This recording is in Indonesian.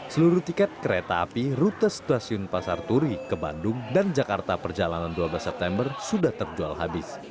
seluruh tiket kereta api rute stasiun pasar turi ke bandung dan jakarta perjalanan dua belas september sudah terjual habis